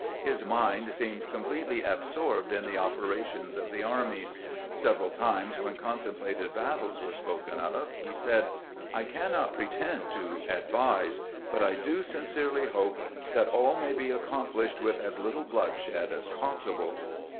His mind seemed completely absorbed in the operations of the armies. Several times, when contemplated battles were spoken of, he said :" I cannot pretend to advise, but I do sincerely hope that all may be accomplished with as little bloodshed as possible."